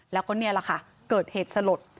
แล้วก็นี่แหละค่ะเกิดเหตุสลด